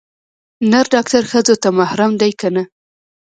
نر ډاکتر ښځو ته محرم ديه که نه.